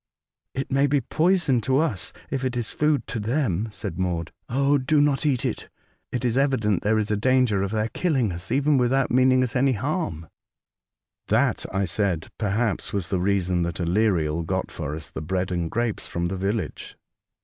'*'It may be poison to us, if it is food to them," said Maude. ''Oh, do not eat it. It is evident there is a danger of their killing us, even without meaning us any harm." A Night ivith Unearthly Friends. 209 "That," I said, ''perhaps was the reason that Aleriel got for us the bread and grapes from the village.